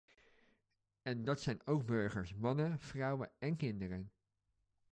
En dat zijn ook burgers: mannen, vrouwen en kinderen.